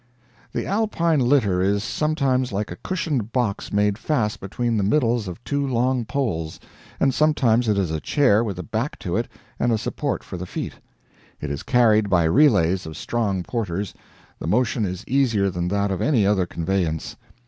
The Alpine litter is sometimes like a cushioned box made fast between the middles of two long poles, and sometimes it is a chair with a back to it and a support for the feet. It is carried by relays of strong porters. The motion is easier than that of any other conveyance.